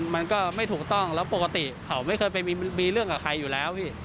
มันก็ไม่ถูกต้องแล้วปกติเขาไม่เคยไปมีเรื่องกับใครอยู่แล้วพี่